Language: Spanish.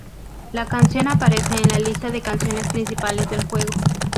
La canción aparece en la lista de canciones principales del juego.